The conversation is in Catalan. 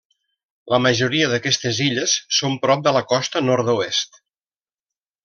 La majoria d'aquestes illes són prop de la costa nord-oest.